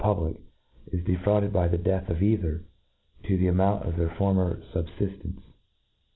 public is defrauded by the death of either, to the amount of their former fubfiftence.